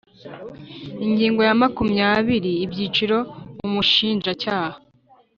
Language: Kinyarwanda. Ingingo ya makumyabiri Ibyiciro Umushinjacyaha